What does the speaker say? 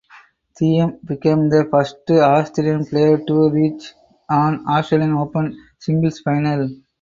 Thiem became the first Austrian player to reach an Australian Open singles final.